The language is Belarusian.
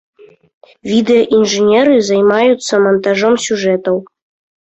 Відэаінжынеры займаюцца мантажом сюжэтаў.